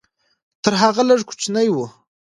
تر هغه لږ کوچنی و.